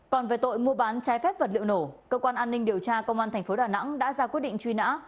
còn về tội mua bán trái phép vật liệu nổ cơ quan an ninh điều tra công an tp đà nẵng đã ra quyết định truy nã